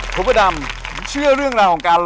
พบดำเชื่อเรื่องราวของการรับชม